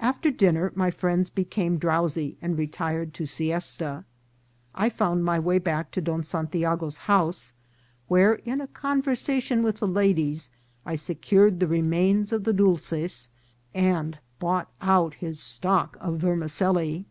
After dinner my friends became drowsy and retired to siesta. I found my way back to Don Santiago's house, where, in a conversation with the ladies, I secured the remains of the dolces, and bought out his stock of vermicelli.